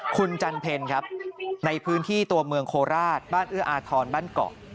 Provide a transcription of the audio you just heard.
คุณจันเพลครับในพื้นที่ตัวเมืองโคราชบ้านเอื้ออาทรบ้านเกาะ